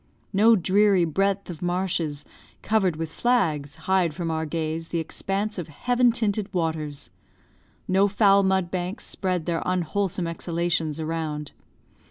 No dreary breadth of marshes, covered with flags, hide from our gaze the expanse of heaven tinted waters; no foul mud banks spread their unwholesome exhalations around.